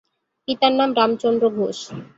পিতার নাম রামচন্দ্র ঘোষ।